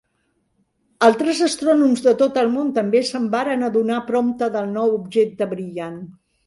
Altres astrònoms de tot el món també se'n varen adonar prompte del nou objecte brillant.